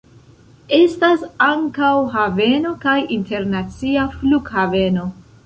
Estas ankaŭ haveno kaj internacia flughaveno.